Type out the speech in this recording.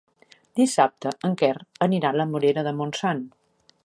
Dissabte en Quer anirà a la Morera de Montsant.